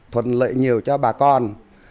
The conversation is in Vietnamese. thuần lợi nhiều cho bà con